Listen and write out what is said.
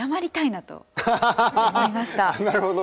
なるほど。